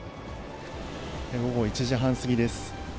午後１時半過ぎです。